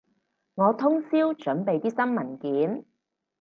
我通宵準備啲新文件